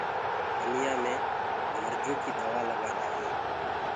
ٻنيآ مي مرجو ڪيٚ دوآ لگآندآ هينٚ۔